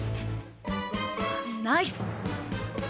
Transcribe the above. ナイス！